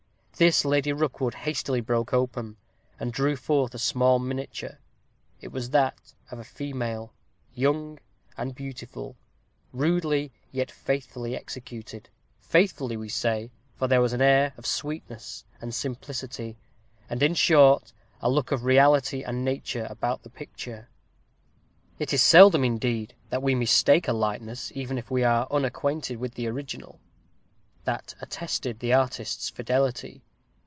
This, Lady Rookwood hastily broke open, and drew forth a small miniature. It was that of a female, young and beautiful, rudely, yet faithfully, executed faithfully, we say, for there was an air of sweetness and simplicity and, in short, a look of reality and nature about the picture (it is seldom, indeed, that we mistake a likeness, even if we are unacquainted with the original) that attested the artist's fidelity.